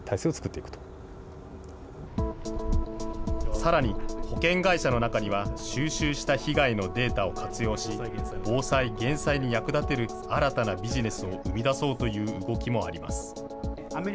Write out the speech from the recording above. さらに、保険会社の中には、収集した被害のデータを活用し、防災・減災に役立てる新たなビジネスを生み出そうという動きもあります。